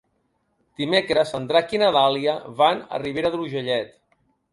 Dimecres en Drac i na Dàlia van a Ribera d'Urgellet.